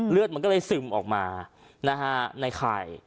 เลือดมันก็เลยซึมออกมานะฮะในไข่